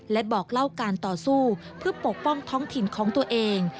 และบอกเล่าการต่อสู้เพื่อปกป้องท้องถิ่นของตัวเอง